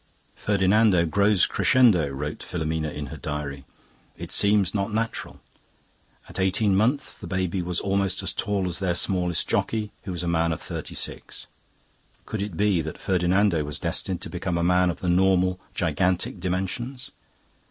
'Ferdinando goes crescendo,' wrote Filomena in her diary. 'It seems not natural.' At eighteen months the baby was almost as tall as their smallest jockey, who was a man of thirty six. Could it be that Ferdinando was destined to become a man of the normal, gigantic dimensions?